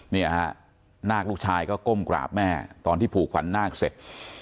เนี่ยฮะนาคลูกชายก็ก้มกราบแม่ตอนที่ผูกขวัญนาคเสร็จ